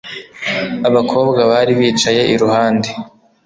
Abakobwa bari bicaye iruhande